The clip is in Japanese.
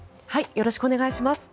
よろしくお願いします。